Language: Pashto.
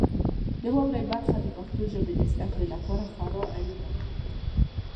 د واورئ برخه د پښتو ژبې د زده کړې لپاره خورا اړینه ده.